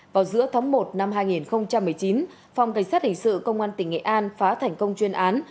vào giữa tháng một năm hai nghìn một mươi chín phòng cảnh sát hình sự công an tỉnh nghệ an phá thành công chuyên án